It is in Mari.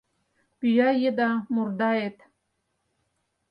Пӱя еда мурдаэт